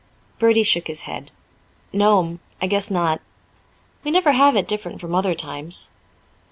Bertie shook his head. "No'm, I guess not. We never have it different from other times."